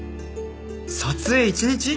「撮影一日？」